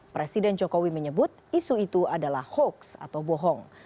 presiden jokowi menyebut isu itu adalah hoax atau bohong